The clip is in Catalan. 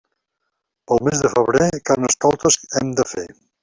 Pel mes de febrer, Carnestoltes hem de fer.